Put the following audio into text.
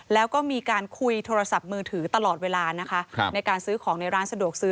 แล้วก็มีการคุยโทรศัพท์มือถือตลอดเวลานะคะในการซื้อของในร้านสะดวกซื้อ